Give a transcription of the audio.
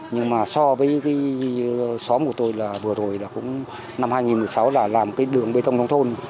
nhưng mà so với cái xóm của tôi là vừa rồi là cũng năm hai nghìn một mươi sáu là làm cái đường bê tông nông thôn